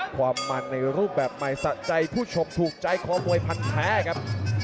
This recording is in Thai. ความมันในรูปแบบใหม่สะใจผู้ชกถูกใจคอมวยพันแท้ครับ